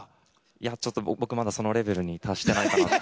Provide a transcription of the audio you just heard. いやちょっと僕まだそのレベルに達してないかなっていう。